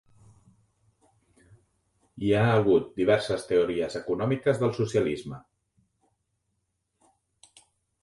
Hi ha hagut diverses teories econòmiques del socialisme.